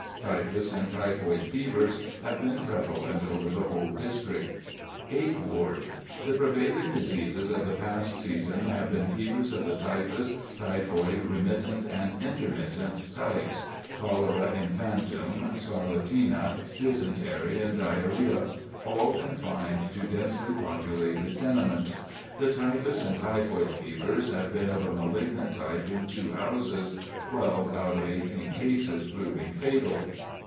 Typhus and typhoid fevers have been prevalent over the whole district. Eighth Ward: The prevailing diseases of the past season have been fevers of the typhus, typhoid, remittent and intermittent types, cholera infantum, scarlatina, dysentery, and diarrhoea, all confined to densely populated tenements. The typhus and typhoid fevers have been of a malignant type in two houses, twelve out of eighteen cases proving fatal.